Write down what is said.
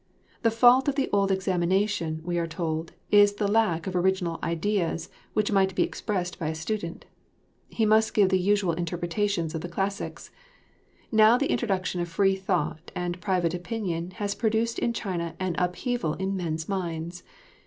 The fault of the old examination, we are told, is the lack of original ideas which might be expressed by a student. He must give the usual interpretations of the classics. Now the introduction of free thought and private opinion has produced in China an upheaval in men's minds.